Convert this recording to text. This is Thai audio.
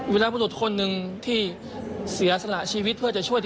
มีลูกคนหนึ่งที่เสียสละชีวิตเพื่อจะช่วย